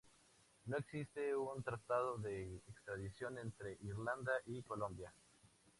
No existe un tratado de extradición entre Irlanda y Colombia.